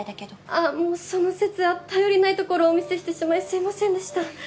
あっもうその節は頼りないところをお見せしてしまいすみませんでした。